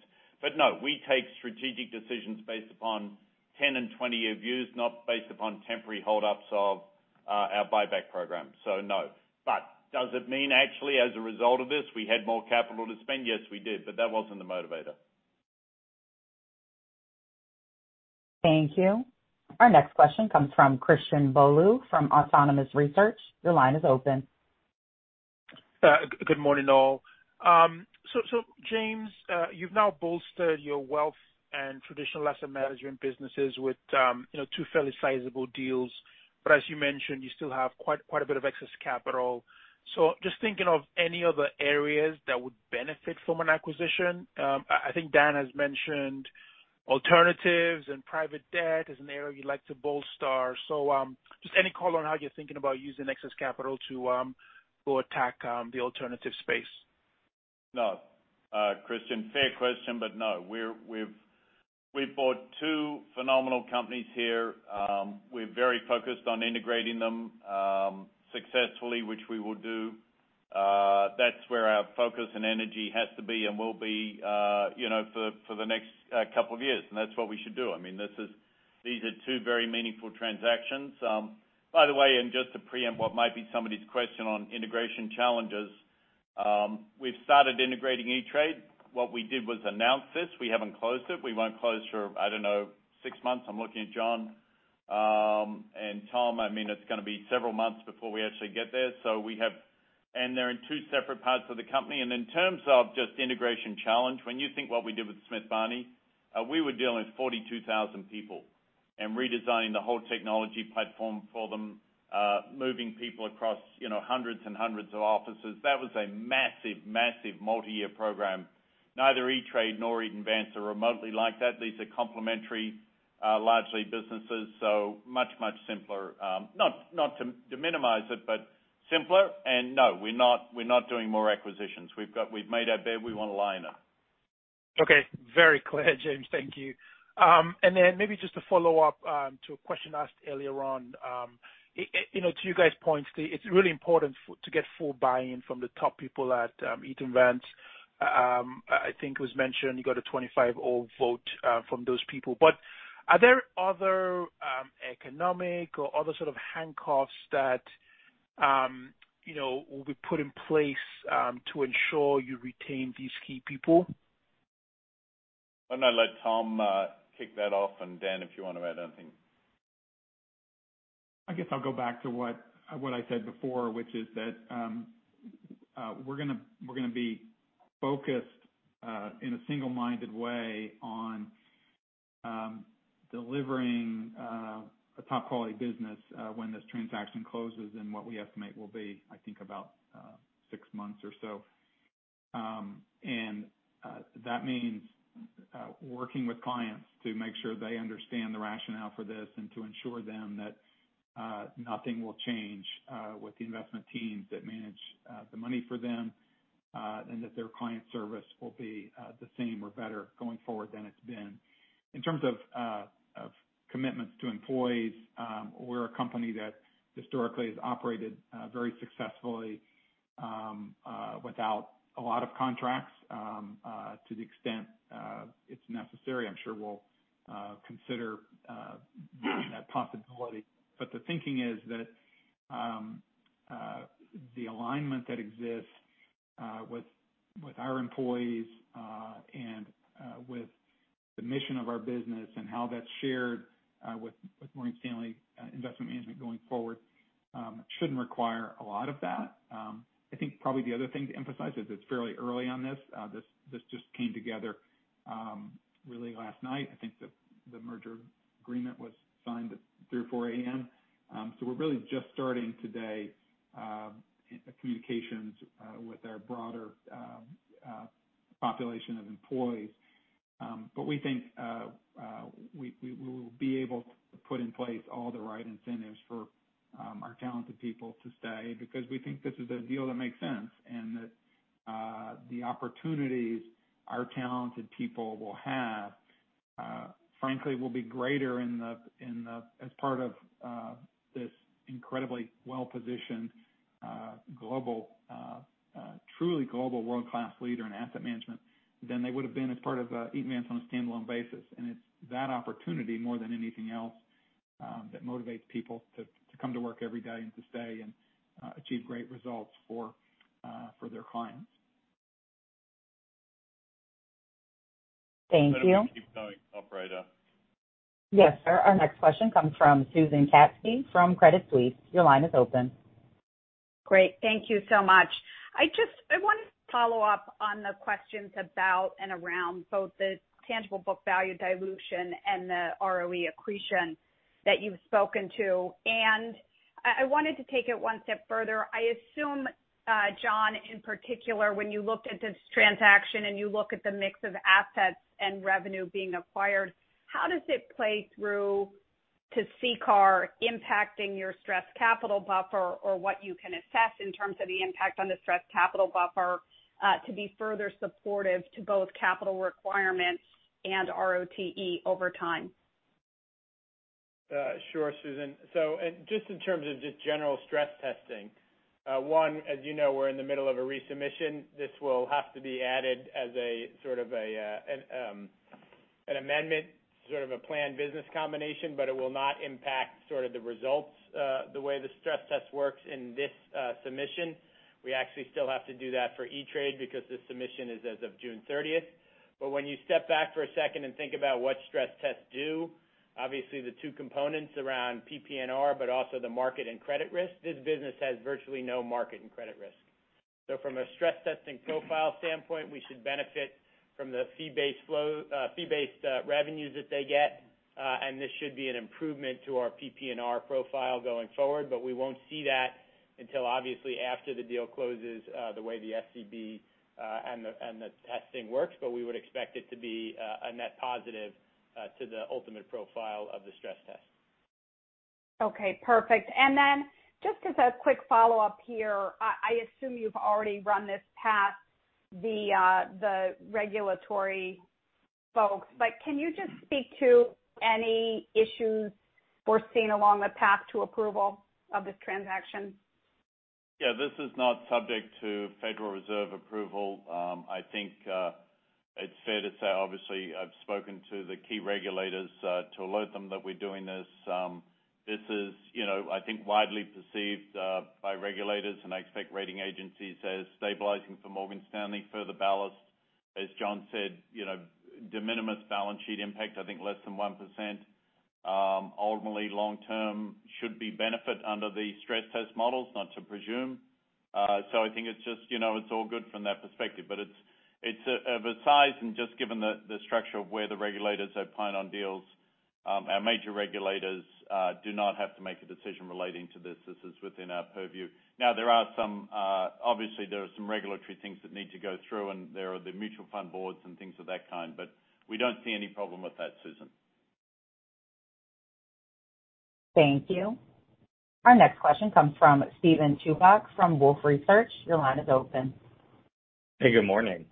No, we take strategic decisions based upon 10-year and 20-year views, not based upon temporary hold-ups of our buyback program. No. Does it mean actually, as a result of this, we had more capital to spend? Yes, we did. That wasn't the motivator. Thank you. Our next question comes from Christian Bolu from Autonomous Research, your line is open. Good morning all? James, you've now bolstered your wealth and traditional asset management businesses with two fairly sizable deals. As you mentioned, you still have quite a bit of excess capital. Just thinking of any other areas that would benefit from an acquisition. I think Dan has mentioned alternatives and private debt as an area you'd like to bolster. Just any color on how you're thinking about using excess capital to go attack the alternative space. No. Christian, fair question, no. We've bought two phenomenal companies here. We're very focused on integrating them successfully, which we will do. That's where our focus and energy has to be and will be for the next couple of years. That's what we should do. These are two very meaningful transactions. By the way, just to preempt what might be somebody's question on integration challenges, we've started integrating E*TRADE. What we did was announce this. We haven't closed it. We won't close for, I don't know, six months. I'm looking at Jon. Tom, it's going to be several months before we actually get there. They're in two separate parts of the company. In terms of just integration challenge, when you think what we did with Smith Barney, we were dealing with 42,000 people and redesigning the whole technology platform for them, moving people across hundreds and hundreds of offices. That was a massive multi-year program. Neither E*TRADE nor Eaton Vance are remotely like that. These are complementary, largely, businesses. Much simpler. Not to minimize it, but simpler. No, we're not doing more acquisitions. We've made our bed, we want to lie in it. Okay. Very clear, James. Thank you. Maybe just to follow up to a question asked earlier on. To you guys' points, it's really important to get full buy-in from the top people at Eaton Vance. I think it was mentioned you got a 25-all vote from those people. Are there other economic or other sort of handcuffs that will be put in place to ensure you retain these key people? Why don't I let Tom kick that off, and Dan, if you want to add anything. I guess I'll go back to what I said before, which is that we're going to be focused in a single-minded way on delivering a top-quality business when this transaction closes in what we estimate will be, I think, about six months or so. That means working with clients to make sure they understand the rationale for this and to ensure them that nothing will change with the investment teams that manage the money for them, and that their client service will be the same or better going forward than it's been. In terms of commitments to employees, we're a company that historically has operated very successfully without a lot of contracts. To the extent it's necessary, I'm sure we'll consider that possibility. The thinking is that the alignment that exists with our employees, and with the mission of our business, and how that's shared with Morgan Stanley Investment Management going forward shouldn't require a lot of that. I think probably the other thing to emphasize is it's fairly early on this. This just came together really last night. I think the merger agreement was signed at 3:00 A.M. or 4:00 A.M. We're really just starting today communications with our broader population of employees. We think we will be able to put in place all the right incentives for our talented people to stay because we think this is a deal that makes sense, and that the opportunities our talented people will have, frankly, will be greater as part of this incredibly well-positioned, truly global world-class leader in asset management than they would have been as part of E*TRADE on a standalone basis. It's that opportunity more than anything else that motivates people to come to work every day and to stay and achieve great results for their clients. Thank you. Let me keep going, operator. Yes, sir. Our next question comes from Susan Katzke from Credit Suisse, your line is open. Great. Thank you so much. I wanted to follow up on the questions about and around both the Tangible Book Value dilution and the ROE accretion that you've spoken to. I wanted to take it one step further. I assume, Jon, in particular, when you looked at this transaction and you look at the mix of assets and revenue being acquired, how does it play through to CCAR impacting your stress capital buffer or what you can assess in terms of the impact on the stress capital buffer to be further supportive to both capital requirements and ROTE over time? Sure, Susan. Just in terms of just general stress testing, one, as you know, we're in the middle of a resubmission. This will have to be added as sort of an amendment, sort of a planned business combination, but it will not impact sort of the results the way the stress test works in this submission. We actually still have to do that for E*TRADE because this submission is as of June 30. When you step back for a second and think about what stress tests do, obviously the two components around PPNR, but also the market and credit risk, this business has virtually no market and credit risk. From a stress testing profile standpoint, we should benefit from the fee-based revenues that they get. This should be an improvement to our PPNR profile going forward, but we won't see that until obviously after the deal closes the way the SCB and the testing works. We would expect it to be a net positive to the ultimate profile of the stress test. Okay, perfect. Just as a quick follow-up here, I assume you've already run this past the regulatory folks, but can you just speak to any issues foreseen along the path to approval of this transaction? Yeah. This is not subject to Federal Reserve approval. I think it's fair to say, obviously, I've spoken to the key regulators to alert them that we're doing this. This is I think widely perceived by regulators, and I expect rating agencies as stabilizing for Morgan Stanley, further ballast, as Jon said, de minimis balance sheet impact, I think less than 1%. Ultimately, long term should be benefit under the stress test models, not to presume. I think it's all good from that perspective. Of its size and just given the structure of where the regulators opine on deals, our major regulators do not have to make a decision relating to this. This is within our purview. Obviously, there are some regulatory things that need to go through, and there are the mutual fund boards and things of that kind. We don't see any problem with that, Susan. Thank you. Our next question comes from Steven Chubak from Wolfe Research, your line is open. Hey, good morning?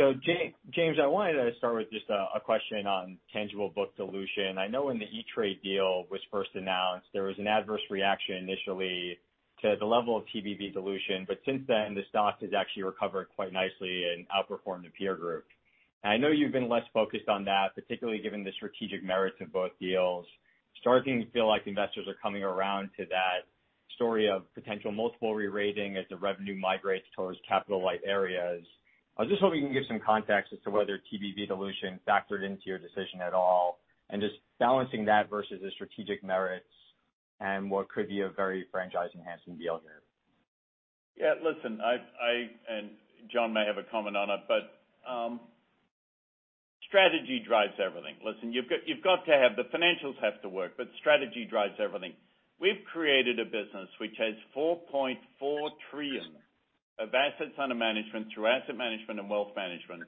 Hey, Steve. James, I wanted to start with just a question on tangible book dilution. I know when the E*TRADE deal was first announced, there was an adverse reaction initially to the level of TBV dilution. Since then, the stock has actually recovered quite nicely and outperformed the peer group. I know you've been less focused on that, particularly given the strategic merits of both deals. Starting to feel like investors are coming around to that story of potential multiple re-rating as the revenue migrates towards capital light areas. I was just hoping you can give some context as to whether TBV dilution factored into your decision at all, and just balancing that versus the strategic merits and what could be a very franchise-enhancing deal here. Yeah, listen, and Jon may have a comment on it, but strategy drives everything. Listen, the financials have to work, but strategy drives everything. We've created a business which has $4.4 trillion of assets under management through asset management and wealth management.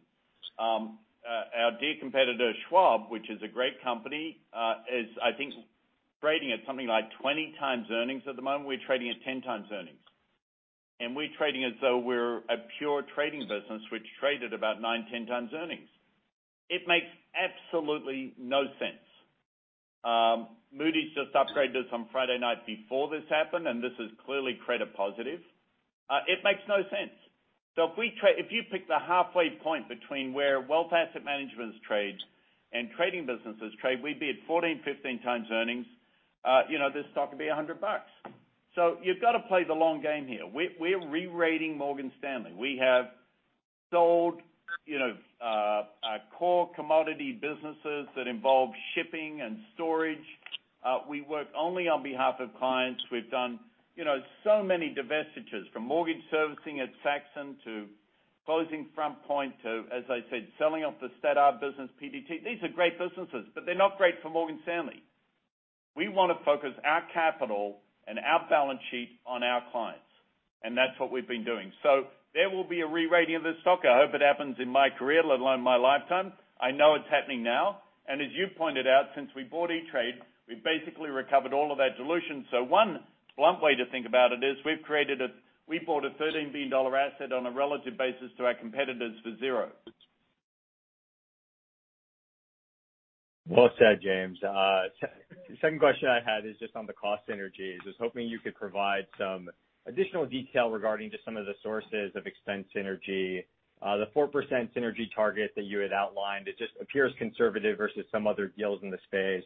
Our dear competitor, Schwab, which is a great company, is, I think, trading at something like 20x earnings at the moment. We're trading at 10x earnings. We're trading as though we're a pure trading business, which traded about 9x-10x earnings. It makes absolutely no sense. Moody's just upgraded us on Friday night before this happened, and this is clearly credit positive. It makes no sense. If you pick the halfway point between where wealth asset management is traded and trading businesses trade, we'd be at 14x-15x earnings. This stock would be $100. You've got to play the long game here. We're re-rating Morgan Stanley. We have sold our core commodity businesses that involve shipping and storage. We work only on behalf of clients. We've done so many divestitures, from mortgage servicing at Saxon to closing FrontPoint to, as I said, selling off the Start-up business PDT. These are great businesses, but they're not great for Morgan Stanley. We want to focus our capital and our balance sheet on our clients, and that's what we've been doing. There will be a re-rating of this stock. I hope it happens in my career, let alone my lifetime. I know it's happening now. As you pointed out, since we bought E*TRADE, we've basically recovered all of our dilution. One blunt way to think about it is we bought a $13 billion asset on a relative basis to our competitors for zero. Well said, James. The second question I had is just on the cost synergies. I was hoping you could provide some additional detail regarding just some of the sources of expense synergy. The 4% synergy target that you had outlined, it just appears conservative versus some other deals in the space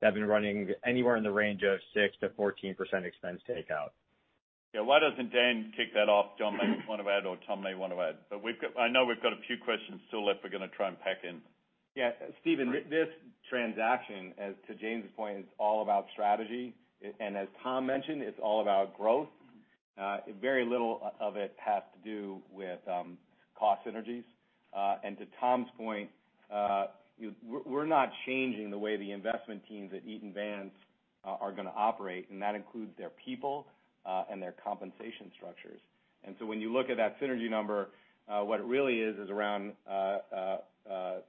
that have been running anywhere in the range of 6%-14% expense takeout. Yeah. Why doesn't Dan kick that off? Jon may want to add or Tom may want to add. I know we've got a few questions still left we're going to try and pack in. Yeah. Steven, this transaction, as to James's point, is all about strategy. As Tom mentioned, it's all about growth. Very little of it has to do with cost synergies. To Tom's point, we're not changing the way the investment teams at Eaton Vance are going to operate, and that includes their people and their compensation structures. When you look at that synergy number, what it really is around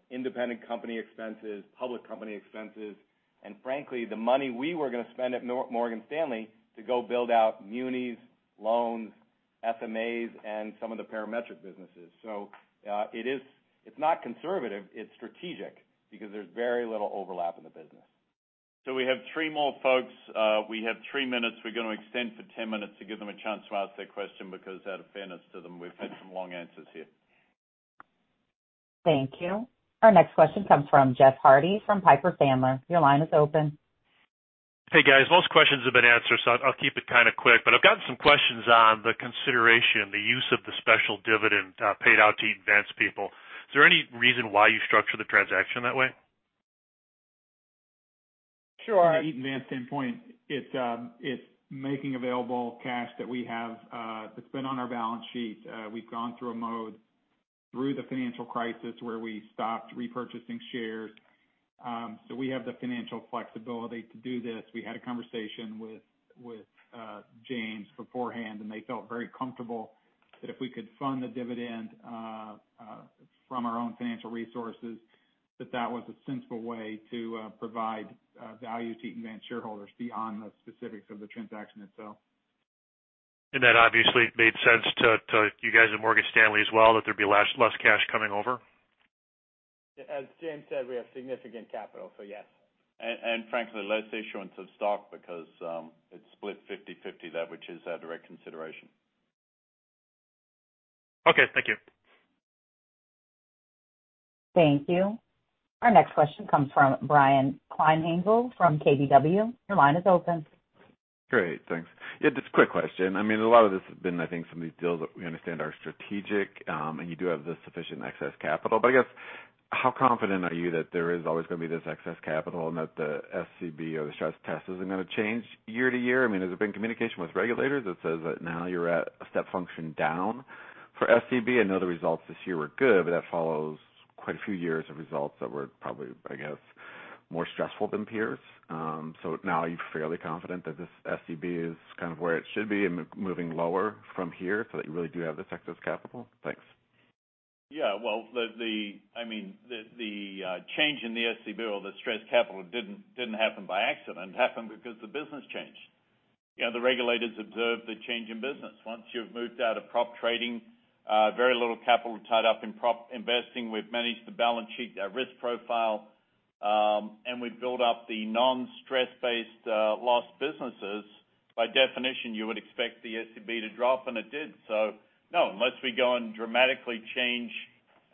independent company expenses, public company expenses, and frankly, the money we were going to spend at Morgan Stanley to go build out munis, loans, SMAs, and some of the Parametric businesses. It's not conservative, it's strategic, because there's very little overlap in the business. We have three more folks. We have three minutes, we're going to extend for 10 minutes to give them a chance to ask their question because out of fairness to them, we've had some long answers here. Thank you. Our next question comes from Jeff Harte from Piper Sandler, your line is open. Hey, guys? Most questions have been answered, so I'll keep it kind of quick. I've got some questions on the consideration, the use of the special dividend paid out to Eaton Vance people. Is there any reason why you structured the transaction that way? Sure. From an Eaton Vance standpoint, it's making available cash that we have that's been on our balance sheet. We've gone through a mode through the financial crisis where we stopped repurchasing shares. We have the financial flexibility to do this. We had a conversation with James beforehand, they felt very comfortable that if we could fund the dividend from our own financial resources, that that was a sensible way to provide value to Eaton Vance shareholders beyond the specifics of the transaction itself. That obviously made sense to you guys at Morgan Stanley as well, that there'd be less cash coming over. As James said, we have significant capital, so yes. Frankly, less issuance of stock because it's split 50/50 that which is our direct consideration. Okay, thank you. Thank you. Our next question comes from Brian Kleinhanzl from KBW, your line is open. Great. Thanks. Yeah, just a quick question. I mean, a lot of this has been, I think some of these deals that we understand are strategic, and you do have the sufficient excess capital. I guess, how confident are you that there is always going to be this excess capital and that the SCB or the stress test isn't going to change year to year? I mean, has there been communication with regulators that says that now you're at a step function down for SCB? I know the results this year were good, but that follows quite a few years of results that were probably, I guess, more stressful than peers. Now are you fairly confident that this SCB is kind of where it should be and moving lower from here so that you really do have this excess capital? Thanks. Yeah. Well, I mean, the change in the SCB or the stress capital didn't happen by accident. It happened because the business changed. The regulators observed the change in business. Once you've moved out of prop trading, very little capital tied up in prop investing. We've managed the balance sheet, our risk profile, and we've built up the non-stress-based loss businesses. By definition, you would expect the SCB to drop, and it did. No, unless we go and dramatically change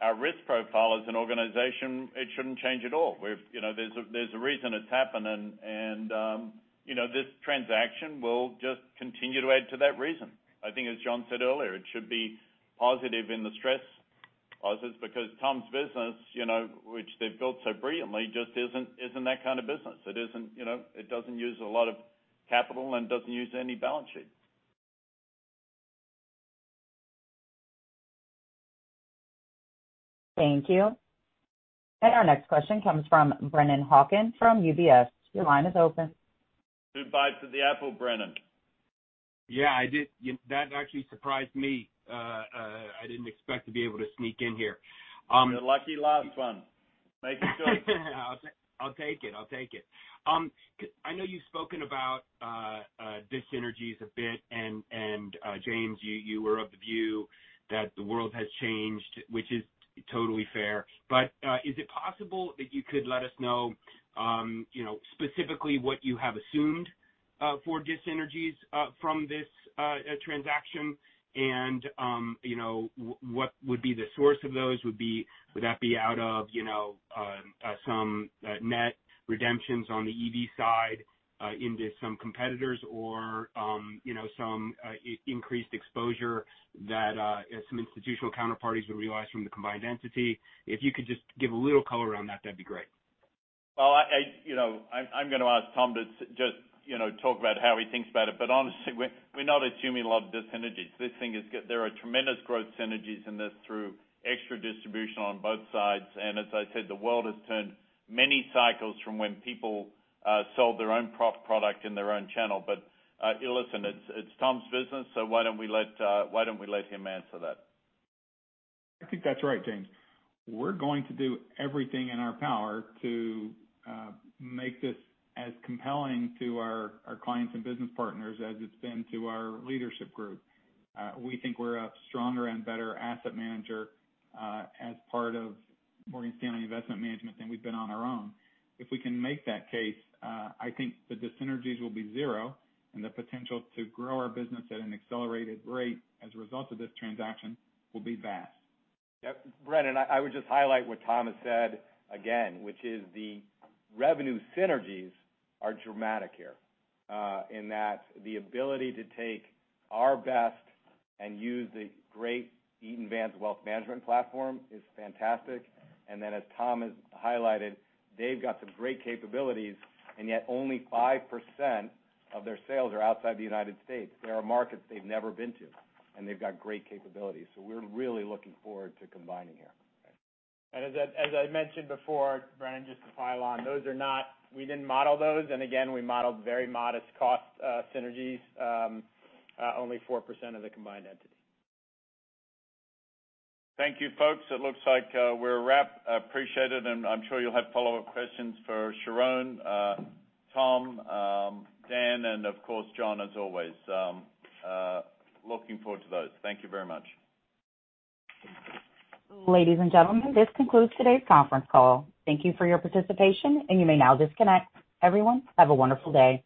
our risk profile as an organization, it shouldn't change at all. There's a reason it's happened, and this transaction will just continue to add to that reason. I think as Jon said earlier, it should be positive in the stress losses because Tom's business, which they've built so brilliantly, just isn't that kind of business. It doesn't use a lot of capital and doesn't use any balance sheet. Thank you. Our next question comes from Brennan Hawken from UBS, your line is open. Good bite to the apple, Brennan. Yeah. That actually surprised me. I didn't expect to be able to sneak in here. You're the lucky last one. Make it good. I'll take it. I know you've spoken about dyssynergies a bit. James, you were of the view that the world has changed, which is totally fair. Is it possible that you could let us know specifically what you have assumed for dyssynergies from this transaction? What would be the source of those? Would that be out of some net redemptions on the EV side into some competitors or some increased exposure that some institutional counterparties would realize from the combined entity? If you could just give a little color on that'd be great. Well, I'm going to ask Tom to just talk about how he thinks about it. Honestly, we're not assuming a lot of dyssynergies. There are tremendous growth synergies in this through extra distribution on both sides. As I said, the world has turned many cycles from when people sold their own product in their own channel. Listen, it's Tom's business, so why don't we let him answer that? I think that's right, James. We're going to do everything in our power to make this as compelling to our clients and business partners as it's been to our leadership group. We think we're a stronger and better asset manager as part of Morgan Stanley Investment Management than we've been on our own. If we can make that case, I think the dyssynergies will be zero, and the potential to grow our business at an accelerated rate as a result of this transaction will be vast. Yeah. Brennan, I would just highlight what Tom has said again, which is the revenue synergies are dramatic here. In that the ability to take our best and use the great Eaton Vance wealth management platform is fantastic. As Tom has highlighted, they've got some great capabilities, and yet only 5% of their sales are outside the United States. There are markets they've never been to, and they've got great capabilities. We're really looking forward to combining here. As I mentioned before, Brennan, just to pile on, we didn't model those. Again, we modeled very modest cost synergies, only 4% of the combined entity. Thank you, folks. It looks like we're a wrap. Appreciate it, and I'm sure you'll have follow-up questions for Sharon, Tom, Dan, and of course, Jon, as always. Looking forward to those. Thank you very much. Ladies and gentlemen, this concludes today's conference call. Thank you for your participation, and you may now disconnect. Everyone, have a wonderful day.